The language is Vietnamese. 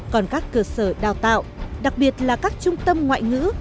còn các cơ sở đào tạo đặc biệt là các trung tâm ngoại ngữ